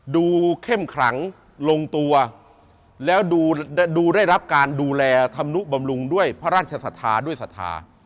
เข้มขลังลงตัวแล้วดูได้รับการดูแลธรรมนุบำรุงด้วยพระราชศรัทธาด้วยศรัทธา